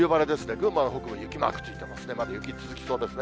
群馬の北部に雪マークついてますね、まだ雪続きそうですね。